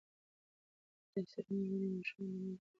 تر څېړنې لاندې ماشومان د مور او پلار د روغتیا څارل کېږي.